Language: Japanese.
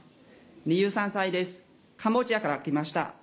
２３歳ですカンボジアから来ました。